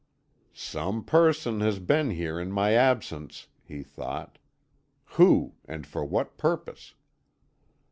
"Some person has been here in my absence," he thought. "Who and for what purpose?"